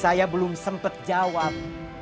saya belum sempet jawab